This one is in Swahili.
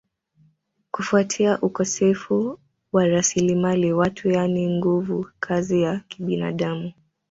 kufuatia ukosefu wa rasilimali watu yani nguvu kazi ya kibinadamu